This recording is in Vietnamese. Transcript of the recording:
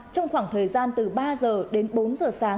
trong khoảng thời gian từ ba giờ đến bốn giờ sáng